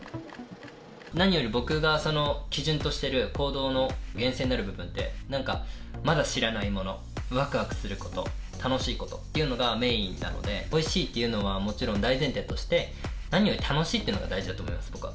何より僕がその基準としてる行動の源泉になる部分って、なんか、まだ知らないもの、わくわくすること、楽しいことというのがメインなので、おいしいというのはもちろん大前提として、何より楽しいっていうのが大事だと思います、僕は。